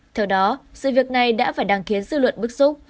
theo đó sự việc này đã phải đáng khiến dư luận bức xúc